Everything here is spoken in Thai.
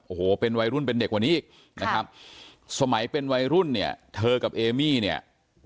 โอ้โหเป็นวัยรุ่นเป็นเด็กกว่านี้อีกนะครับสมัยเป็นวัยรุ่นเนี่ยเธอกับเอมี่เนี่ย